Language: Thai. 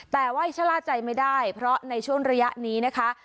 แต่ว่าชะล่าใจไม่ได้เพราะในช่วงระยะนี้นะคะ